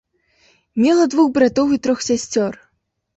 Мела двух братоў і трох сясцёр.